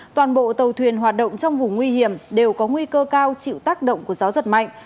toàn bộ tàu thuyền hoạt động trong vùng nguy hiểm đều có nguy cơ cao chịu tác động của gió giật mạnh